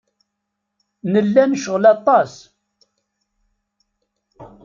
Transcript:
Nella necɣel aṭas.